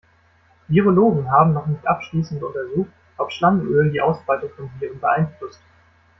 Virologen haben noch nicht abschließend untersucht, ob Schlangenöl die Ausbreitung von Viren beeinflusst.